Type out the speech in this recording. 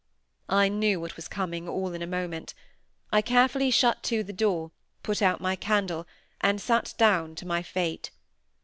I knew what was coming, all in a moment. I carefully shut to the door, put out my candle, and sate down to my fate.